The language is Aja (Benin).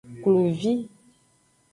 Kluvi.